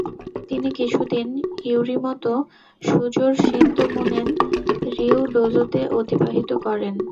তিনি কিছু দিন ইউরিমতো শুযোর শিন্তো মুনেন রিউ ডোজোতে অতিবাহিত করেন।